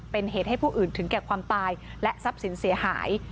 เป็นเหตุให้ผู้อื่นถึงแก่ความตายและทรัพย์สินเสียหาย